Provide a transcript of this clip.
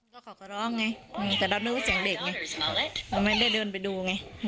ก็เขาก็ร้องไงแต่เรานึกว่าเสียงเด็กไงเราไม่ได้เดินไปดูไง